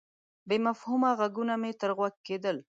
بې مفهومه ږغونه مې تر غوږ کېدل.